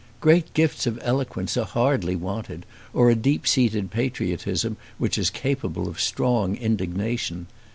Great gifts of eloquence are hardly wanted, or a deep seated patriotism which is capable of strong indignation.